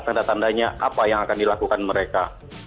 tanda tandanya apa yang akan dilakukan mereka